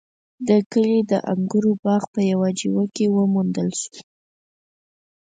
د کلي د انګورو باغ په يوه جیوه کې وموندل شو.